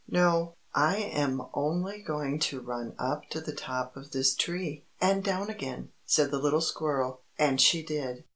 "No, I am only going to run up to the top of this tree, and down again," said the little squirrel, and she did.